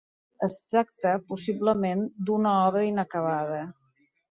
Es tracta, possiblement, d'una obra inacabada.